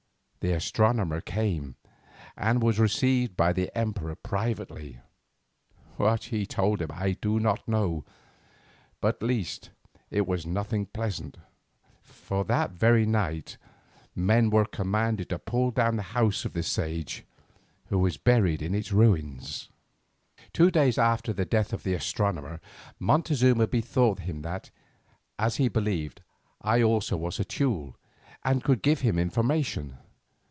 The astronomer came, and was received by the emperor privately. What he told him I do not know, but at least it was nothing pleasant, for that very night men were commanded to pull down the house of this sage, who was buried in its ruins. Two days after the death of the astronomer, Montezuma bethought him that, as he believed, I also was a Teule, and could give him information.